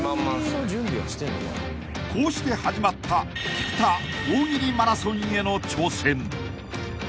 ［こうして始まった菊田大喜利マラソンへの挑戦］